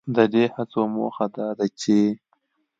ددې هڅو موخه دا ده چې